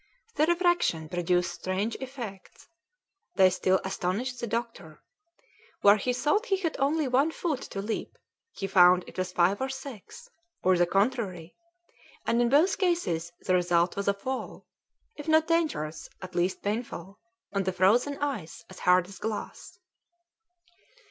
The refraction produced strange effects; they still astonished the doctor; where he thought he had only one foot to leap he found it was five or six, or the contrary; and in both cases the result was a fall, if not dangerous, at least painful, on the frozen ice as hard as glass.